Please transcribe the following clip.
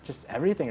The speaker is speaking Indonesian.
hanya semuanya benar